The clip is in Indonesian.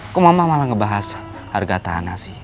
kok mama malah ngebahas harga tanah sih